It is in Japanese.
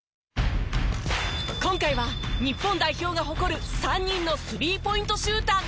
今回は日本代表が誇る３人のスリーポイントシューターが集結。